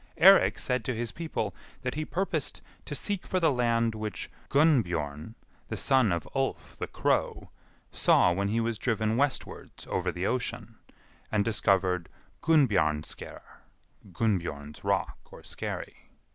Eirik said to his people that he purposed to seek for the land which Gunnbjorn, the son of Ulf the Crow, saw when he was driven westwards over the ocean, and discovered Gunnbjarnarsker (Gunnbjorn's rock or skerry).